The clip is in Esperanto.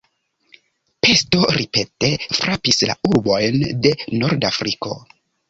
Pesto ripete frapis la urbojn de Nordafriko.